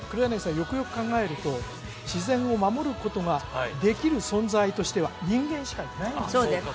よくよく考えると自然を守ることができる存在としては人間しかいないんですそうです